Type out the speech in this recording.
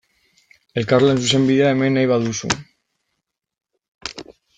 Elkarlan zuzenbidea, hemen, nahi baduzu.